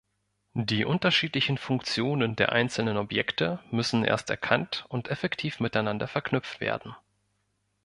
Die unterschiedlichen Funktionen der einzelnen Objekte müssen erst erkannt und effektiv miteinander verknüpft werden.